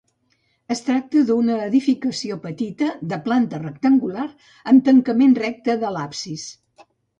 Es tracta d'una edificació petita de planta rectangular, amb tancament recte de l'absis.